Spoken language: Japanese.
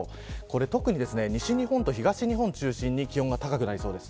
特に、西日本と東日本を中心に気温が高くなりそうです。